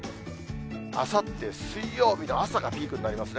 あさって水曜日の朝がピークになりますね。